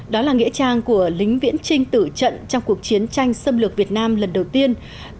đó là nghĩa trang của lính viễn trinh tử trận trong cuộc chiến tranh xâm lược việt nam lần đầu tiên